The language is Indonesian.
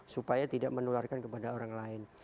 supaya tidak menularkan kepada orang lain